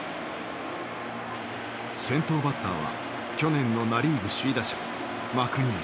先頭バッターは去年のナ・リーグ首位打者マクニール。